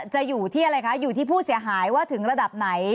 จะอยู่ที่อะไรคะอยู่ที่ผู้เสียหายว่าถึงระดับไหน